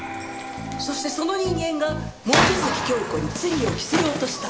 そしてその人間が望月京子に罪を着せようとした。